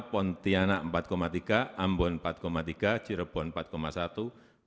pontianak empat tiga persen ambon empat tiga persen cirebon empat satu persen